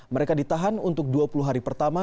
mereka ditahan untuk dua puluh hari pertama